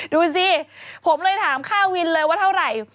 ดูสิผมเลยถามค่าวินเลยว่าเท่าไหร่